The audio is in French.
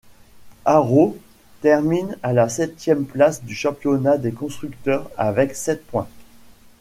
Arrows termine à la septième place du championnat des constructeurs avec sept points.